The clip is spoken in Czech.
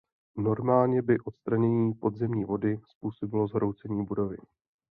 Normálně by odstranění podzemní vody způsobilo zhroucení budovy.